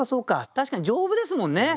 確かに丈夫ですもんね。